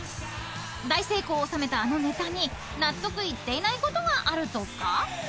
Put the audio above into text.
［大成功を収めたあのネタに納得いっていないことがあるとか］